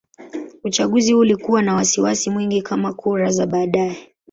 Uchaguzi huu ulikuwa na wasiwasi mwingi kama kura za baadaye.